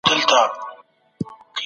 ایا اوسنۍ نړۍ فاضله ټولنه لري؟